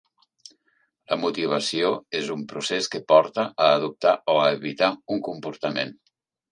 La motivació és un procés que porta a adoptar o a evitar un comportament.